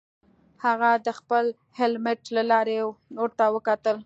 هغه د خپل هیلمټ له لارې ورته وکتل